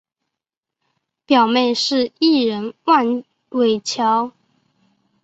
表妹是艺人万玮乔。